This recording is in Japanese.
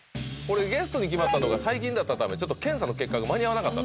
ゲストに決まったのが最近だったため検査の結果が間に合わなかった